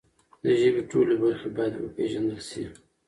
د ژبې ټولې برخې باید وپیژندل سي.